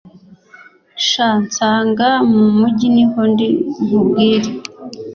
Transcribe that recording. sha nsanga mu mugi niho ndi nkubwire."